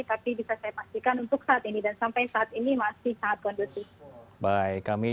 tapi bisa saya pastikan untuk saat ini dan sampai saat ini masih sangat kondusif